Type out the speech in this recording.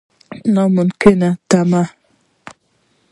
نا ممکنه تمې.